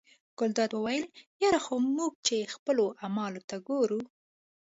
ګلداد وویل یره خو موږ چې خپلو اعمالو ته ګورو.